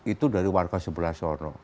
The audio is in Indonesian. itu dari warga sebelah sana